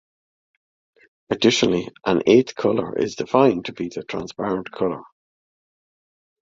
Additionally, an eighth color is defined to be the transparent color.